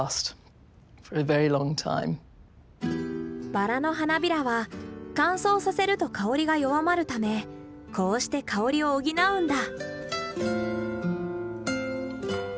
バラの花びらは乾燥させると香りが弱まるためこうして香りを補うんだ。